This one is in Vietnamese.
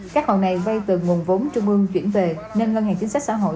các hộ này vây từ nguồn vốn trung ương chuyển về nên ngân hàng chính sách xã hội